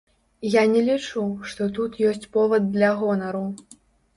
Я не лічу, што тут ёсць повад для гонару.